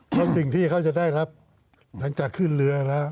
เพราะสิ่งที่เขาจะได้รับหลังจากขึ้นเรือแล้ว